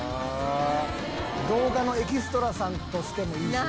「動画のエキストラさんとしてもいいしね」